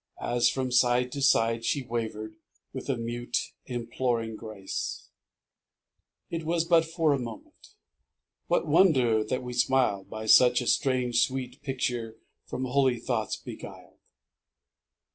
As from side to side she wavered With a mute, imploring grace. 2l6 ENTERING IN It was but for a moment ; What wonder that we smiled, By such a strange, sweet picture From holy thoughts beguiled